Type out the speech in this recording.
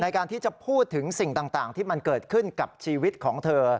ในการที่จะพูดถึงสิ่งต่างที่มันเกิดขึ้นกับชีวิตของเธอ